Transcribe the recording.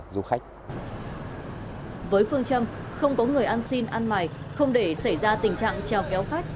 du khách với phương châm không có người ăn xin ăn mài không để xảy ra tình trạng trèo kéo khách